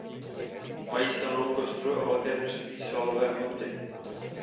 Mají silnou kostru a velké množství svalové hmoty.